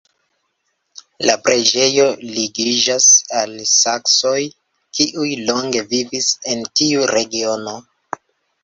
La preĝejo ligiĝas al saksoj, kiuj longe vivis en tiu regiono.